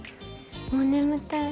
もう眠たい。